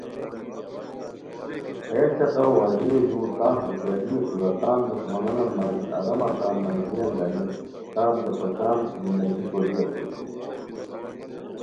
ہیہ چقہ وزیرو ژور تان ہوشیاریو سورا تان دݰمانان ماری ارامہ تان ملگیریان گانی تانتے خوشان زندگی کوری اسور